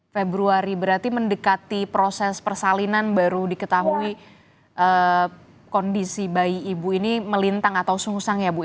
februari berarti mendekati proses persalinan baru diketahui kondisi bayi ibu ini melintang atau sungsang ya bu